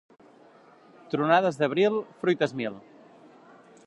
Tronades d'abril, fruites mil.